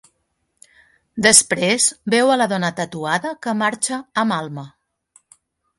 Després veu a la dona tatuada que marxa amb Alma.